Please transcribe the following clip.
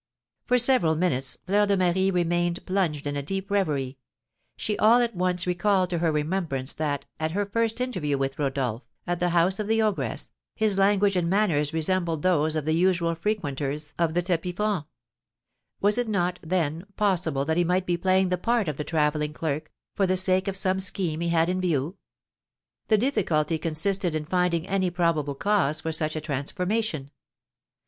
For several minutes Fleur de Marie remained plunged in a deep reverie; she all at once recalled to her remembrance that, at her first interview with Rodolph, at the house of the ogress, his language and manners resembled those of the usual frequenters of the tapis franc. Was it not, then, possible that he might be playing the part of the travelling clerk, for the sake of some scheme he had in view? The difficulty consisted in finding any probable cause for such a transformation.